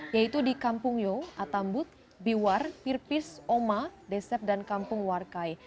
yaitu di kampung yo atambut biwar pirpis oma desep dan kampung warkai